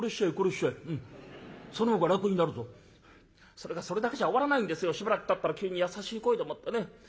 「それがそれだけじゃ終わらないんですよしばらくたったら急に優しい声でもってね